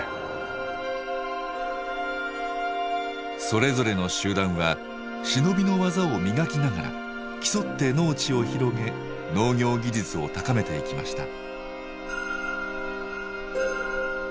それぞれの集団は忍びの技を磨きながら競って農地を広げ農業技術を高めていきました。